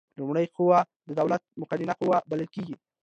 لومړۍ قوه د دولت مقننه قوه بلل کیږي.